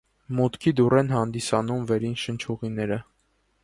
Մուտքի դուռ են հանդիսանում վերին շնչուղիները։